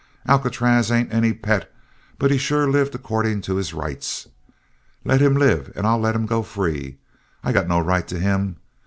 Alcatraz ain't any pet, but he's sure lived according to his rights. Let him live and I'll let him go free. I got no right to him.